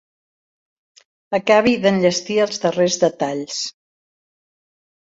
Acabi d'enllestir els darrers detalls.